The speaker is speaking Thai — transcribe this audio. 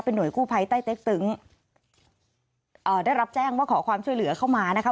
หน่วยกู้ภัยใต้เต็กตึงเอ่อได้รับแจ้งว่าขอความช่วยเหลือเข้ามานะคะ